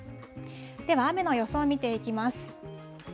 では、雨の予想を見ていきます。